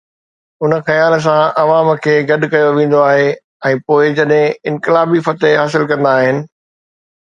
ان خيال سان عوام کي گڏ ڪيو ويندو آهي ۽ پوءِ جڏهن انقلابي فتح حاصل ڪندا آهن.